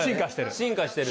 進化してる。